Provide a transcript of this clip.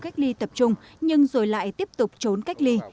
các đối tượng sử dụng nhiều cách ly tập trung nhưng rồi lại tiếp tục trốn cách ly